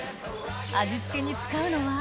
味付けに使うのは？